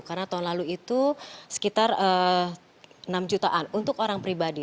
karena tahun lalu itu sekitar enam jutaan untuk orang pribadi